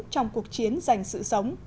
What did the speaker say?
trong cuộc chiến dành sự sống